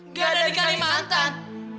gak ada di kalimantan